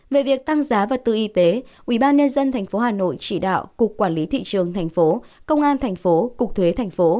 về việc tăng giá vật tư y tế ubnd tp hà nội chỉ đạo cục quản lý thị trường tp công an tp cục thuế tp